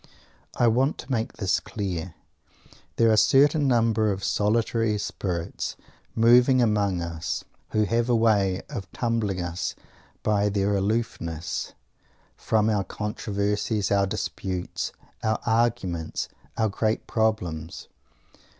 I want to make this clear. There are a certain number of solitary spirits moving among us who have a way of troubling us by their aloofness from our controversies, our disputes, our arguments, our "great problems."